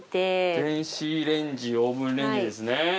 電子レンジ、オーブンレンジですね。